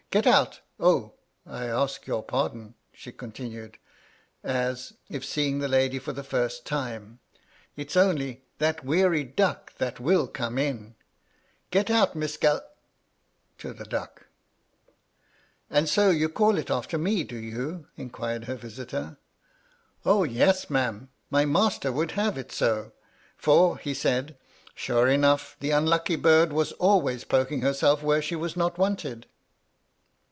" Get out ! O, I ask your pardon," she con^ tinned, as if seeing the lady for the first time. " It's only that weary duck that will come in. Get out. Miss Gal " (to the duck). 208 MY LADT LUDLOW. " And 80 you call it after me, do you ? inquired her visitor. *^ O, yes, ma'am, my master would have it so, for he said, sure enough the unlucky bird was always poking herself where she was not wanted."